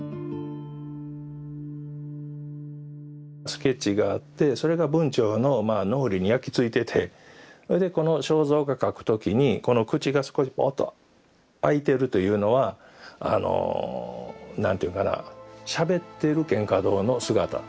スケッチがあってそれが文晁の脳裏に焼き付いててそれでこの肖像画描くときにこの口が少しぼっと開いてるというのは何ていうかなしゃべってる蒹葭堂の姿。